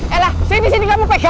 elah sini sini kamu pegangan